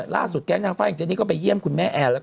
ตอนที่สุดแก๊กทางฟ่ายแห่งเจนนี่ก็ไปเยี่ยมคุณแม่แอล